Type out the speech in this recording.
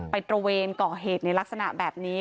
ตระเวนก่อเหตุในลักษณะแบบนี้